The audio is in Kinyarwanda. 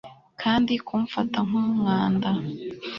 kandi kumfata nk'umwanda